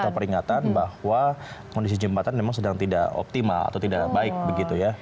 atau peringatan bahwa kondisi jembatan memang sedang tidak optimal atau tidak baik begitu ya